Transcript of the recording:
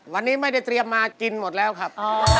วันนี้ไม่ได้เตรียมมากินหมดแล้วครับ